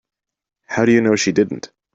How do you know she didn't?